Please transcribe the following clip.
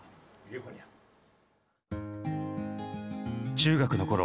中学のころ